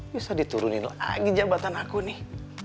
bisa diturunin lagi jabatan aku nih